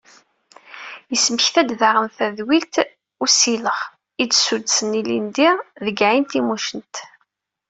Yesmekta-d daɣen, tadwilt n usileɣ i d-suddsen ilindi deg Ɛin Timucent.